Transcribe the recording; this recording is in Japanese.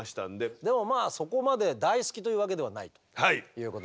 でもまあそこまで大好きというわけではないと？